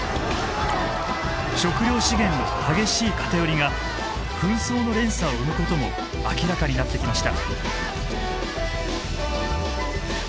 食料資源の激しい偏りが紛争の連鎖を生むことも明らかになってきました。